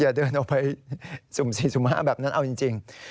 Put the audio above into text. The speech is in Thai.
อย่าเดินออกไปซุ่มสี่ซุ่มห้าแบบนั้นเอาจริง